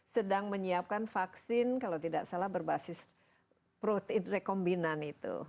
sedang menyiapkan vaksin kalau tidak salah berbasis protein rekombinan itu